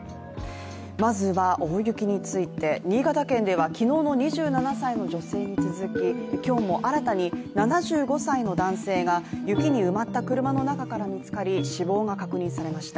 まずは大雪について、新潟県では昨日の２７歳の女性に続き今日も新たに７５歳の男性が雪に埋まった車の中から見つかり、死亡が確認されました。